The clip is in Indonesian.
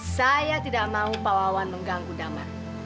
saya tidak mau pak wawan mengganggu damar